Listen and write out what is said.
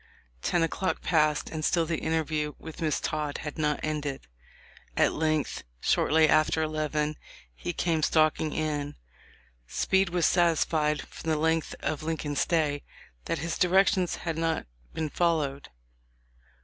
Ten o'clock passed, and still the interview with Miss Todd had not ended. At length, shortly after eleven, he came stalking in. Speed was satisfied, from the length of Lincoln's stay, that his directions had not been followed.